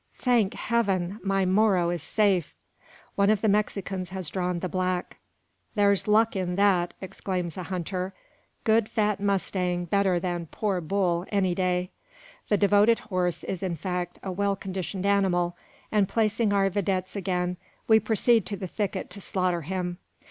"Thank Heaven! my Moro is safe!" One of the Mexicans has drawn the black. "Thar's luck in that!" exclaims a hunter. "Good fat mustang better than poor bull any day!" The devoted horse is in fact a well conditioned animal; and placing our videttes again, we proceed to the thicket to slaughter him.